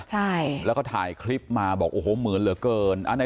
ใช่แล้วก็ถ่ายคลิปมาบอกโอ้โหเหมือนเหลือเกิน